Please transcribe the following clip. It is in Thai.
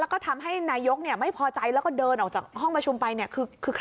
แล้วก็ทำให้นายกไม่พอใจแล้วก็เดินออกจากห้องประชุมไปเนี่ย